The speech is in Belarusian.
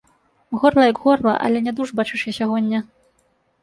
Горла як горла, але нядуж, бачыш, я сягоння.